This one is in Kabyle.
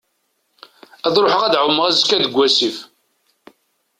Ad ruḥeɣ ad εummeɣ azekka deg wasif.